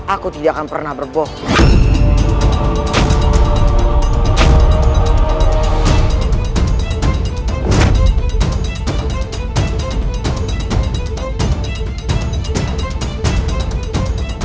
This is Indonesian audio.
aku tidak akan pernah berbohong